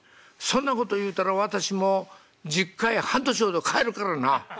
そんなこと言うたら私もう実家へ半年ほど帰るからな」。